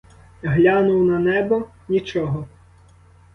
Глянув на небо — нічого.